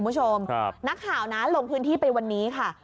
คุณผู้ชมนักข่าวนะลงพื้นที่ไปวันนี้ค่ะ